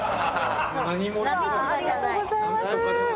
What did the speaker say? ありがとうございます。